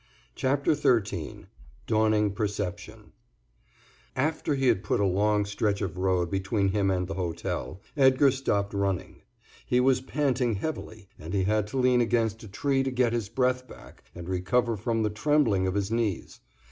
CHAPTER XIII DAWNING PERCEPTION After he had put a long stretch of road between him and the hotel, Edgar stopped running. He was panting heavily, and he had to lean against a tree to get his breath back and recover from the trembling of his knees.